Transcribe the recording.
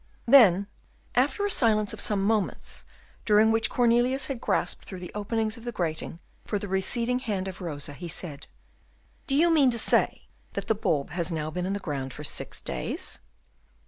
Then, after a silence of some moments, during which Cornelius had grasped through the openings of the grating for the receding hand of Rosa, he said, "Do you mean to say that the bulb has now been in the ground for six days?"